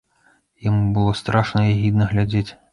Яму было страшна і агідна глядзець.